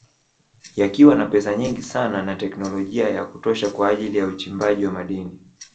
Yakiwa na pesa nyingi sana na teknolojia ya kutosha kwa ajili uchimbaji wa madini